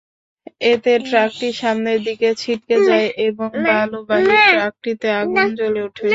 এতে ট্রাকটি সামনের দিকে ছিটকে যায় এবং বালুবাহী ট্রাকটিতে আগুন জ্বলে ওঠে।